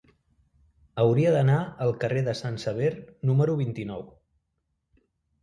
Hauria d'anar al carrer de Sant Sever número vint-i-nou.